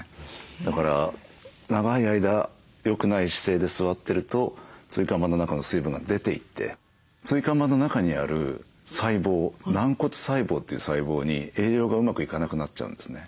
だから長い間よくない姿勢で座ってると椎間板の中の水分が出ていって椎間板の中にある細胞軟骨細胞という細胞に栄養がうまく行かなくなっちゃうんですね。